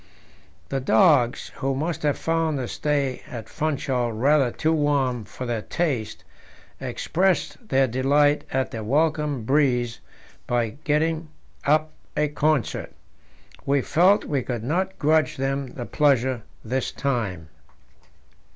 The dogs, who must have found the stay at Funchal rather too warm for their taste, expressed their delight at the welcome breeze by getting up a concert. We felt we could not grudge them the pleasure this time.